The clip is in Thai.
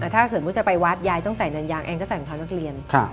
ถ้าสมมุติจะไปวัดยายต้องใส่เนินยางเองก็ใส่รองเท้านักเรียน